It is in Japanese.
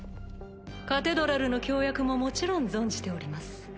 カテドラルの協約ももちろん存じております。